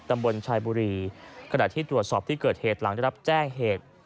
ตำบลชายบุรีขณะที่ตรวจสอบที่เกิดเหตุหลังได้รับแจ้งเหตุ